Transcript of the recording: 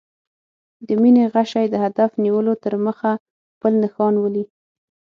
د مینې غشی د هدف نیولو تر مخه خپل نښان ولي.